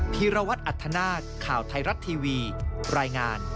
โปรดติดตามตอนต่อไป